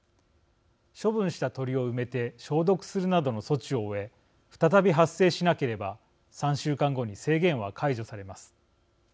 処分した鳥を埋めて消毒するなどの措置を終え再び発生しなければ３週間後に制限は解除されます。